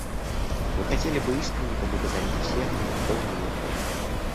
Мы хотели бы искренне поблагодарить всех, кто в нее входит.